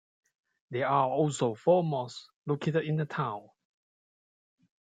There are also four mosques located in the town.